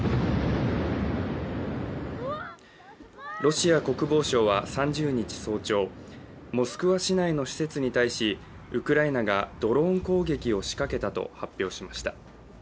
ロシア国防省は３０日早朝、モスクワ市内の施設に対しウクライナがドローン攻撃を仕掛けたと発表しました。